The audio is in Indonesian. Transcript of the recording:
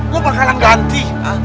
gua bakalan ganti